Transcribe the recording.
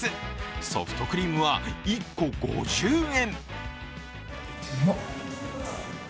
ソフトクリームは１個５０円。